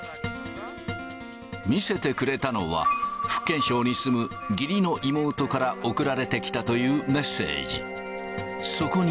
見せてくれたのは、福建省に住む義理の妹から送られてきたというメッセージ。